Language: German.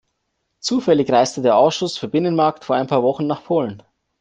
Zufällig reiste der Ausschuss für Binnenmarkt vor ein paar Wochen nach Polen.